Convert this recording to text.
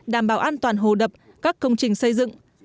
đảm bảo an toàn hồ đập các công trình xây dựng